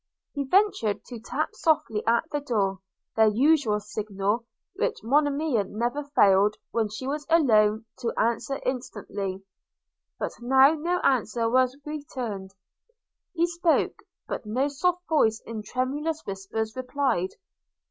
He ventured to tap softly at the door, their usual signal, which Monimia never failed, when she was alone, to answer instantly; but now no answer was returned. He spoke – but no soft voice in tremulous whispers, replied.